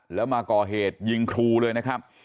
แล้วมาก่อเหตุยิงครูเลยนะครับ